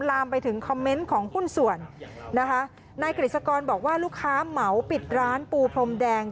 ลามไปถึงคอมเมนต์ของหุ้นส่วนนะคะนายกฤษกรบอกว่าลูกค้าเหมาปิดร้านปูพรมแดง